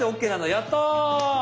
やった。